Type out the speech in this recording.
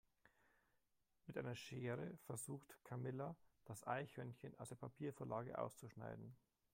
Mit einer Schere versucht Camilla das Eichhörnchen aus der Papiervorlage auszuschneiden.